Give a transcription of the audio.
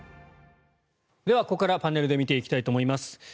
では、ここからパネルで見ていきたいと思います。